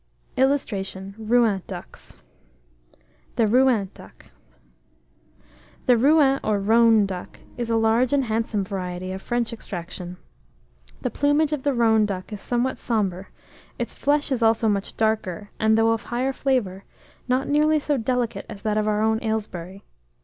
[Illustration: ROUEN DUCKS.] THE ROUEN DUCK. The Rouen, or Rhone duck, is a large and handsome variety, of French extraction. The plumage of the Rouen duck is somewhat sombre; its flesh is also much darker, and, though of higher flavour, not near so delicate as that of our own Aylesbury.